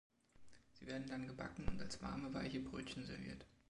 Sie werden dann gebacken und als warme, weiche Brötchen serviert.